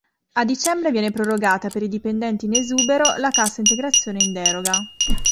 A dicembre viene prorogata, per i dipendenti in esubero, la cassa integrazione in deroga.